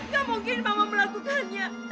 gak mungkin mama melakukannya